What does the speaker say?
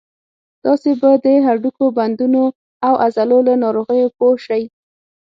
تاسې به د هډوکو، بندونو او عضلو له ناروغیو پوه شئ.